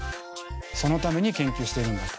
そのために研究してるんだと。